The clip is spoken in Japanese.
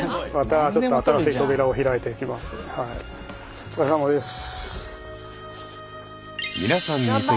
お疲れさまです。